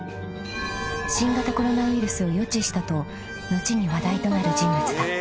［新型コロナウイルスを予知したと後に話題となる人物だ］